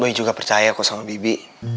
gue juga percaya kok sama bibi